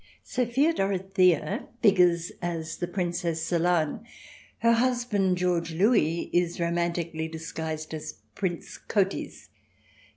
Sophia Dorothea figures as the Princess Solane; her husband, George Louis, is romantically disguised as Prince Cotys.